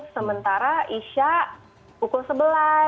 sementara isya pukul sebelas